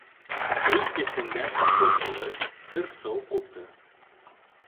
Өй эсендә шатлыҡлы сыр-сыу ҡупты.